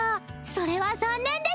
それは残念です。